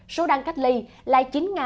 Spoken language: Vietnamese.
số đăng cách ly là chín chín trăm bảy mươi